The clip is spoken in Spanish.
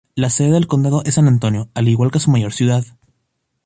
La sede del condado es San Antonio, al igual que su mayor ciudad.